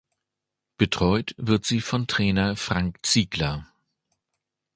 Betreut wird sie von Trainer Frank Ziegler.